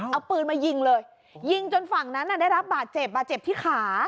เอาปืนมายิงเลยยิงจนฝั่งนั้นได้รับบาดเจ็บบาดเจ็บที่ขา